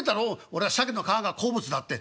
俺はシャケの皮が好物だって。